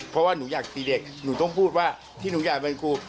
เพราะว่าหนูอยากตีเด็กหนูต้องพูดว่าที่หนูอยากเป็นครู